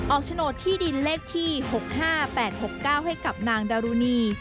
โฉนดที่ดินเลขที่๖๕๘๖๙ให้กับนางดารุณี